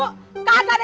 kita harus berbentuk